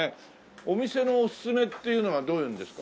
お店のオススメっていうのはどういうのですか？